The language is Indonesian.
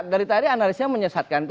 dari tadi analisnya menyesatkan